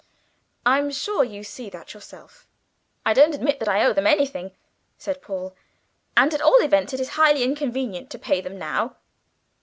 I'm sure you see that yourself." "I don't admit that I owe them anything," said Paul; "and at all events it is highly inconvenient to pay them now."